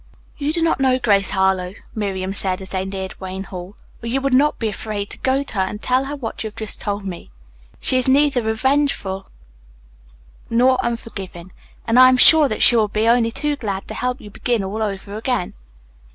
"You do not know Grace Harlowe," Miriam said as they neared Wayne Hall, "or you would not be afraid to go to her and tell her what you have just told me. She is neither revengeful nor unforgiving, and I am sure that she will be only too glad to help you begin all over again."